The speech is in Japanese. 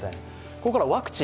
ここからワクチン。